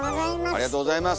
ありがとうございます。